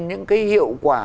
những cái hiệu quả